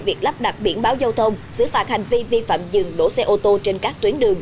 việc lắp đặt biển báo giao thông xử phạt hành vi vi phạm dừng đổ xe ô tô trên các tuyến đường